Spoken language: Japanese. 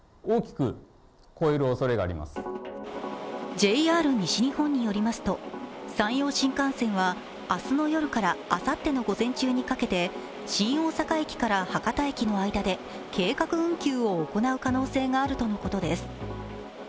ＪＲ西日本によりますと、山陽新幹線は明日の夜からあさっての午前中にかけて新大阪駅から博多駅の間で計画運休を行う可能性があるとのことです。